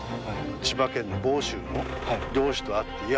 千葉県の房州の漁師と会っていや